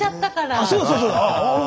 あそうだそうそう。